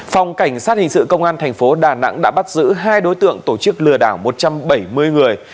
phòng cảnh sát hình sự công an thành phố đà nẵng đã bắt giữ hai đối tượng tổ chức lừa đảo một trăm bảy mươi người